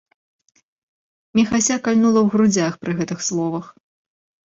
Міхася кальнула ў грудзях пры гэтых словах.